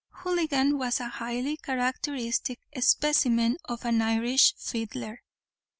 Houligan was a highly characteristic specimen of an Irish fiddler.